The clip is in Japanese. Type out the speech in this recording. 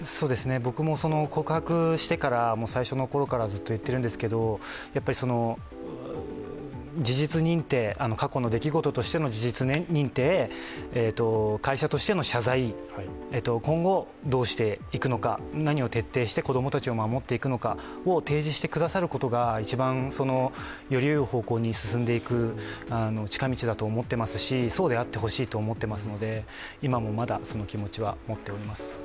僕も告白してから、最初の頃からずっと言ってるんですけど、過去の出来事としての事実認定、会社としての謝罪、今後どうしていくのか、何を徹底して子供たちを守っていくのかを提示してくださることが一番よりよい方向に進んでいく近道だと思っていますし、そうであってほしいと思っていますので、今もまだその気持ちは持っております。